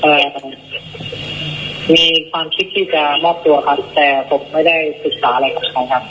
อะไรครับมีความคิดที่จะมอบตัวครับแต่ผมไม่ได้ศึกษาอะไรกับใครครับ